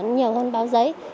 nhiều hơn báo giấy